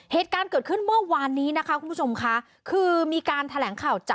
เหตุการณ์เกิดขึ้นเมื่อวานนี้นะคะคุณผู้ชมค่ะคือมีการแถลงข่าวจาก